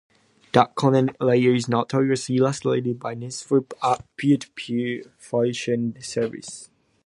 The content layer is notoriously illustrated by Napster, a peer-to-peer file sharing service.